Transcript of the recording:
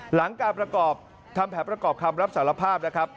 หลังการประกอบทำแผนประกอบคำรับสารภาพนะครับ